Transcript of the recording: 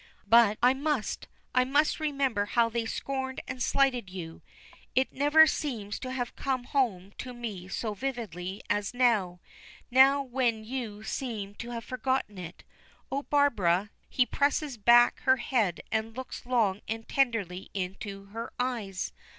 "But I must. I must remember how they scorned and slighted you. It never seems to have come home to me so vividly as now now when you seem to have forgotten it. Oh, Barbara!" He presses back her head and looks long and tenderly into her eyes.